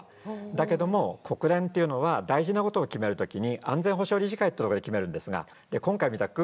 だけども国連というのは大事なことを決める時に安全保障理事会ってとこで決めるんですが今回みたく